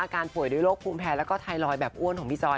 การผ่วยโรคภูมิแพ้และก็ไทรลอยด์แบบอ้วนของพี่จอย